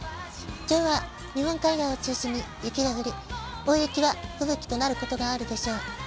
きょうは日本海側を中心に雪が降り、大雪や吹雪となる所があるでしょう。